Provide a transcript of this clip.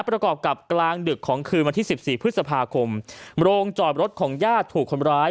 ประกอบกับกลางดึกของคืนวันที่สิบสี่พฤษภาคมโรงจอดรถของญาติถูกคนร้าย